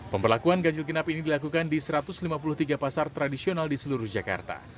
pemberlakuan ganjil genap ini dilakukan di satu ratus lima puluh tiga pasar tradisional di seluruh jakarta